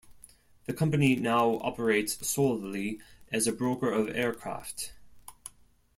The company now operates solely as a broker of aircraft.